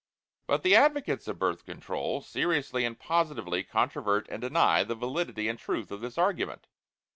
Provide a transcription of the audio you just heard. But the advocates of Birth Control seriously and positively controvert and deny the validity and truth of this argument.